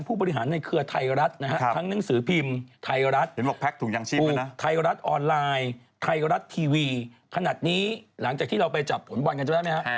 ถูกยังียงชีพแล้วนะ